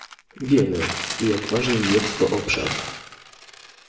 Wiemy, jak ważny jest to obszar